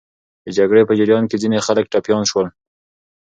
د جګړې په جریان کې ځینې خلک ټپیان سول.